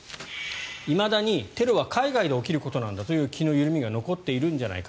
いまだにテロは海外で起きることなんだという気の緩みが残っているんじゃないか。